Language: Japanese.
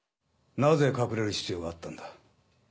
なぜ隠れる必要があったんだ？